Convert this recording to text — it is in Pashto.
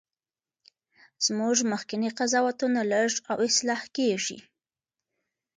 زموږ مخکني قضاوتونه لږ او اصلاح کیږي.